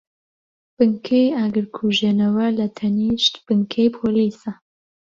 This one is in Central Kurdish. بنکەی ئاگرکوژێنەوە لەتەنیشت بنکەی پۆلیسە.